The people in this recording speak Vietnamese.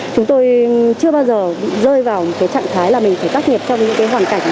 chúng tôi chưa bao giờ rơi vào trạng thái là mình phải tác nghiệp trong những hoàn cảnh